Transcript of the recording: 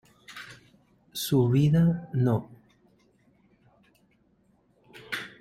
¡ su vida, no!